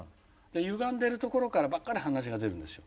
ゆがんでるところからばっかり鼻血が出るんですよ。